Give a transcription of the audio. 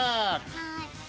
はい。